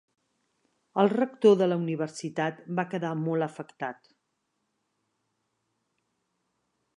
El rector de la universitat va quedar molt afectat.